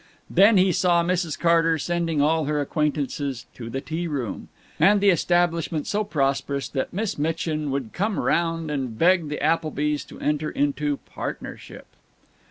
Then he saw Mrs. Carter sending all her acquaintances to "The T Room," and the establishment so prosperous that Miss Mitchin would come around and beg the Applebys to enter into partnership.